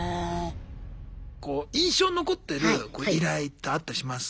こう印象に残ってる依頼ってあったりします？